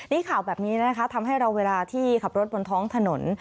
นี่ข่าวแบบนี้นะคะทำให้เราเวลาที่ขับรถบนท้องถนน